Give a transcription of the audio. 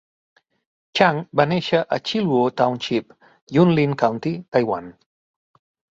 Chang va néixer a Xiluo Township, Yunlin County, Taiwan.